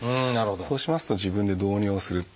そうしますと自分で導尿をする。